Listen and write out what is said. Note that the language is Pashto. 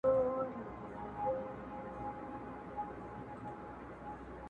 ترڅو له ماڅخه ته هېره سې.